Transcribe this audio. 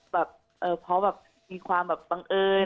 แบบเออเพราะแบบมีความแบบบังเอิญ